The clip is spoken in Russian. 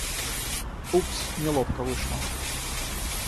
Упс, неловко вышло.